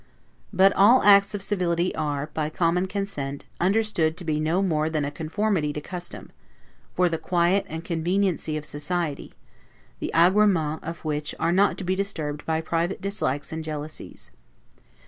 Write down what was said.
But all acts of civility are, by common consent, understood to be no more than a conformity to custom, for the quiet and conveniency of society, the 'agremens' of which are not to be disturbed by private dislikes and jealousies.